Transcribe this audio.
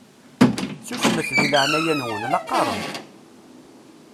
Susmet deg leɛnaya-nwen la qqaṛent!